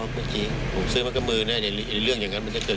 ตอนนั้นมันต้องก็มีอะไรพูดหรือไม่มีอะไรพูด